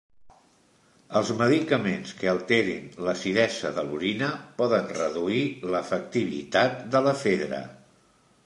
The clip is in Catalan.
Els medicaments que alterin l'acidesa de l'orina poden reduir l'efectivitat de l'efedra.